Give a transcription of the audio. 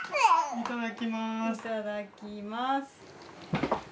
いただきます。